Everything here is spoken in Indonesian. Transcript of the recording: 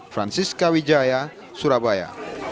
francis kawijaya surabaya